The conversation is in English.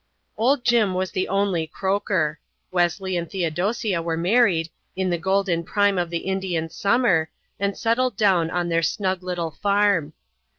Old Jim was the only croaker. Wesley and Theodosia were married, in the golden prime of the Indian summer, and settled down on their snug little farm.